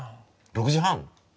６時半！？